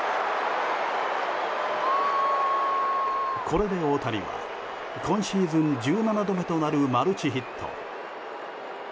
これで大谷は、今シーズン１７度目となるマルチヒット。